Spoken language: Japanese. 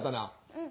うん。